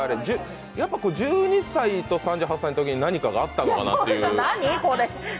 やっぱり１２歳と３８歳のときに何かがあったのかなという。